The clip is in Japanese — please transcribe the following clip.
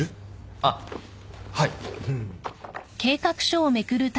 あっはい。